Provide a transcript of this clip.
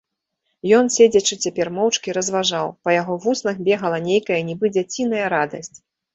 Ён, седзячы цяпер моўчкі, разважаў, па яго вуснах бегала нейкая нібы дзяціная радасць.